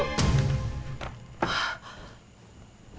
jangan jangan diambil sama andri kang